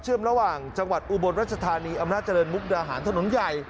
ระหว่างจังหวัดอุบลรัชธานีอำนาจเจริญมุกดาหารถนนใหญ่